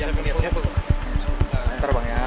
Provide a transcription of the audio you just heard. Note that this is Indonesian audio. ini produk donan berarti sudah sana